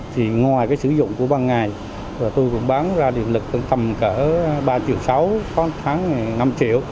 thì ngoài cái sử dụng của ban ngày tôi cũng bán ra điện lực từ tầm cỡ ba triệu sáu có tháng năm triệu